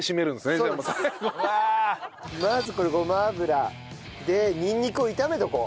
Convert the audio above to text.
まずこれごま油でにんにくを炒めておこう。